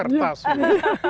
ora orang indonesia